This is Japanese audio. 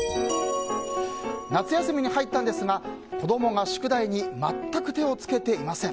夏休みに入ったのですが子供が宿題に全く手を付けていません。